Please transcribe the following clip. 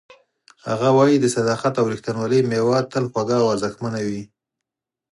هغه وایي چې د صداقت او ریښتینولۍ میوه تل خوږه او ارزښتمنه وي